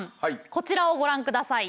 こちらをご覧下さい。